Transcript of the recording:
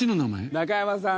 中山さん